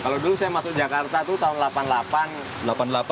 kalau dulu saya masuk jakarta tuh tahun delapan puluh delapan